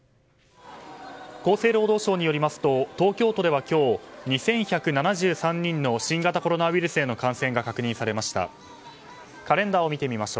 厚生労働省によりますと東京都では今日２１７３人の新型コロナウイルスへの感染が確認されました。